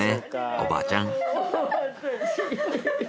おばあちゃん。